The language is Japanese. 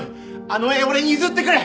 あの絵俺に譲ってくれ！